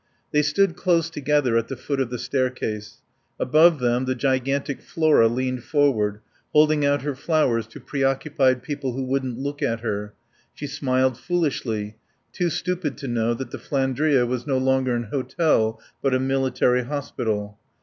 They stood close together at the foot of the staircase. Above them the gigantic Flora leaned forward, holding out her flowers to preoccupied people who wouldn't look at her; she smiled foolishly; too stupid to know that the Flandria was no longer an hotel but a military hospital.